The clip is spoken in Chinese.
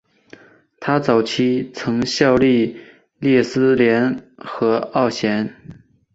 他早期曾效力列斯联和奥咸。